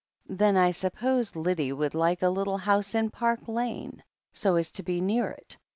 "Then I suppose Lyddie would like a little house in Park Lane, so as to be near it?"